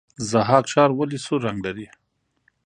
ضحاک ښار ولې سور رنګ لري؟